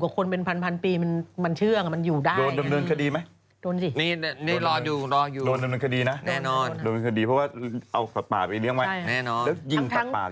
โดนในมันคดีนะโดนในมันคดีเพราะว่าเอาสัตว์ปากไปเรียกว่าไง